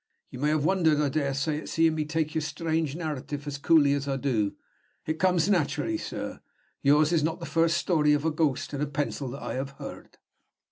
You may have wondered, I dare say, at seeing me take your strange narrative as coolly as I do. It comes naturally, sir. Yours is not the first story of a ghost and a pencil that I have heard."